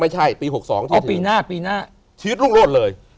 ชีวิตรุ่งรวดเลย